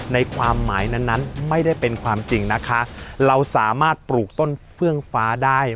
ในความหมายนั้นนั้นไม่ได้เป็นความจริงนะคะเราสามารถปลูกต้นเฟื่องฟ้าได้